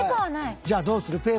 じゃあどうする？